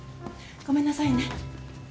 ごめんなさいね。